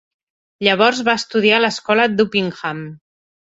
Llavors va estudiar a l'escola d'Uppingham.